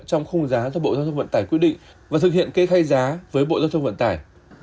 trong khung giá do bộ giao thông vận tải quyết định và thực hiện kê khai giá với bộ giao thông vận tải